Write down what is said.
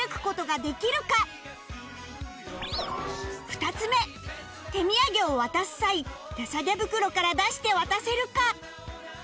２つ目手土産を渡す際手提げ袋から出して渡せるか